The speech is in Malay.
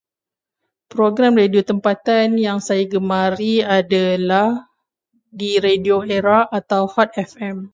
Program radio tempatan yang saya gemari adalah di radio ERA atau Hot FM.